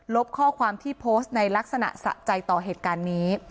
ข้อความที่โพสต์ในลักษณะสะใจต่อเหตุการณ์นี้